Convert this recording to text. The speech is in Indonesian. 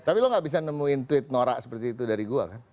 tapi lo gak bisa nemuin tweet norak seperti itu dari gue kan